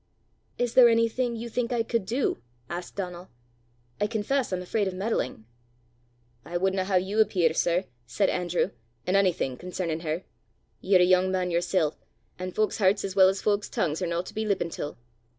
"Is there anything you think I could do?" asked Donal. "I confess I'm afraid of meddling." "I wudna hae you appear, sir," said Andrew, "in onything, concernin' her. Ye're a yoong man yersel', an' fowk's herts as well as fowk's tongues are no to be lippent til.